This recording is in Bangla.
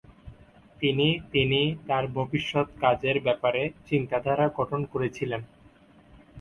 তিনি তিনি তার ভবিষ্যত কাজের ব্যাপারে চিন্তাধারা গঠন করেছিলেন।